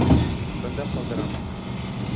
Бында ҡалдырам.